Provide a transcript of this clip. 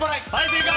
正解。